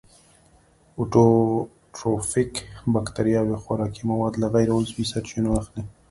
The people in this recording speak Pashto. اټوټروفیک باکتریاوې خوراکي مواد له غیر عضوي سرچینو اخلي.